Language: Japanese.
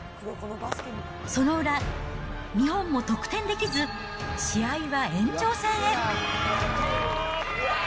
その裏、日本の得点できず試合は延長戦へ。